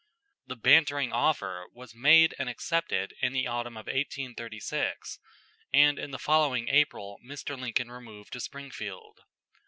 The bantering offer was made and accepted in the autumn of 1836, and in the following April Mr. Lincoln removed to Springfield.